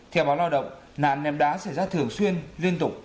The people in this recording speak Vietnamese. theo báo lao động nạn đá xảy ra thường xuyên liên tục